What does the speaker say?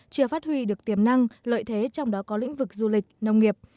chưa phát huy được tiềm năng lợi thế trong đó có lĩnh vực du lịch nông nghiệp